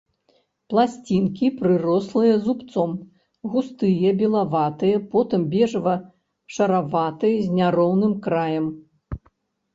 Пласцінкі прырослыя зубцом, густыя, белаватыя, потым бежава-шараватыя, з няроўным краем.